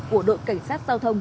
của đội cảnh sát giao thông